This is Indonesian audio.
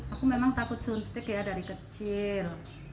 aku memang takut suntik ya dari kecil